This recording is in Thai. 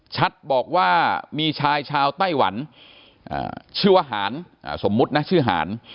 บอกว่ามีชายชาวไต้หวันชื่อว่าหารสมมุตินะชื่อหาร